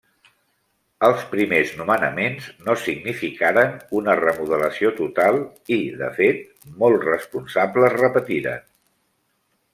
Els primers nomenaments no significaren una remodelació total i, de fet, molt responsables repetiren.